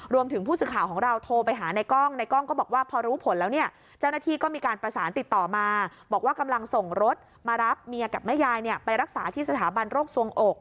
รวมถึงผู้สื่อข่าวของเราโทรไปหาในกล้อง